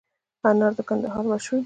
انار د کندهار مشهور دي